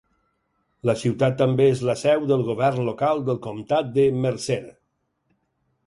La ciutat també és la seu del govern local del Comtat de Mercer.